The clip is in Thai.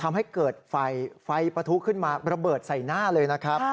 ทำให้เกิดไฟไฟปะทุขึ้นมาระเบิดใส่หน้าเลยนะครับ